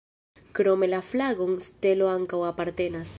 Krome la flagon stelo ankaŭ apartenas.